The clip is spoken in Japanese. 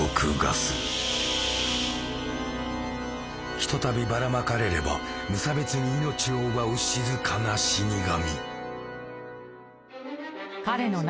ひとたびばらまかれれば無差別に命を奪う静かな死に神。